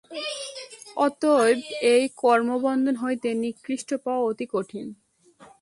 অতএব এই কর্মবন্ধন হইতে নিষ্কৃতি পাওয়া অতি কঠিন।